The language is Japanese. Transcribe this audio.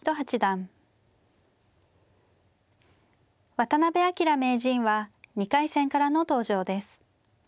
渡辺明名人は２回戦からの登場です。